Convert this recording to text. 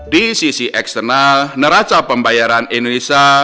di sisi eksternal neraca pembayaran indonesia